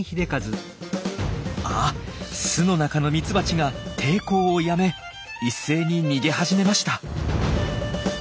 あっ巣の中のミツバチが抵抗をやめ一斉に逃げ始めました。